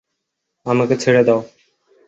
আমাকে ছেড়ে দাও!